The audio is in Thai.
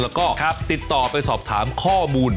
แล้วก็ติดต่อไปสอบถามข้อมูล